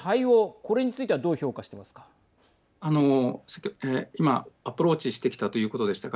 これについてはあの今アプローチしてきたということでしたが